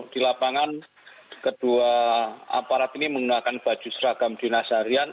di lapangan kedua aparat ini menggunakan baju seragam dinasarian